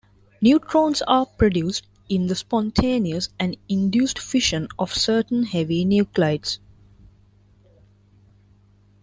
Neutrons are also produced in the spontaneous and induced fission of certain heavy nucleides.